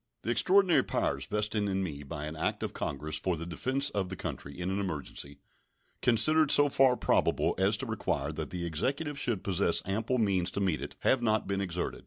The extraordinary powers vested in me by an act of Congress for the defense of the country in an emergency, considered so far probable as to require that the Executive should possess ample means to meet it, have not been exerted.